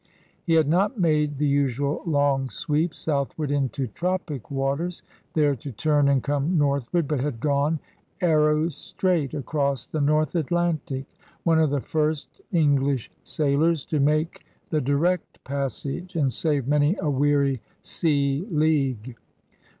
He had not made the usual long sweep southward into tropic waters, there to turn and come northward, but had gone, arrow straight, across the north Atlantic — one of the first Eng lish sailors to make the direct passage and save many a weary sea league.